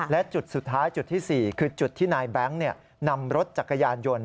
และจุดสุดท้ายจุดที่๔คือจุดที่นายแบงค์นำรถจักรยานยนต์